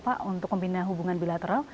pak untuk pembina hubungan bilateral